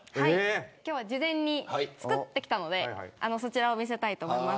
今日は事前に作ってきたので見せたいと思います。